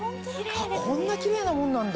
こんなキレイなもんなんだ。